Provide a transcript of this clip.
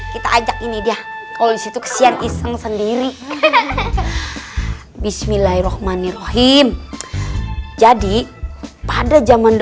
kita ajak ini dia kalau disitu kesian iseng sendiri bismillahirrohmanirrohim jadi pada zaman